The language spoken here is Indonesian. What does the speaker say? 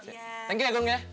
thank you ya gung ya